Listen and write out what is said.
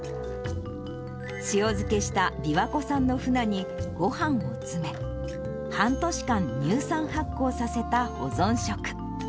塩漬けした琵琶湖産のふなにごはんを詰め、半年間、乳酸発酵させた保存食。